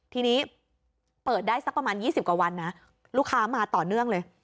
ทีนี้เปิดได้สักประมาณ๒๐กว่าวันนะลูกค้ามาต่อเนื่องเลย